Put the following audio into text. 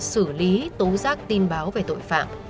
xử lý tố giác tin báo về tội phạm